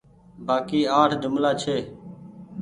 بآڪي اٺ جملآ ڇي